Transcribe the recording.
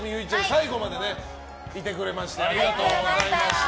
最後までいてくれましてありがとうございました。